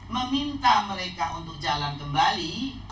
meminta mereka untuk jalan kembali